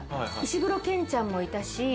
石黒賢ちゃんもいたし。